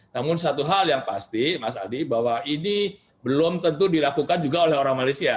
namun satu hal yang pasti mas aldi bahwa ini belum tentu dilakukan juga oleh orang malaysia